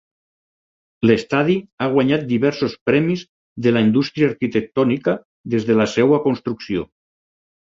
L'estadi ha guanyat diversos premis de la indústria arquitectònica des de la seva construcció.